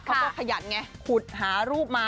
เขาก็ขยันไงขุดหารูปมา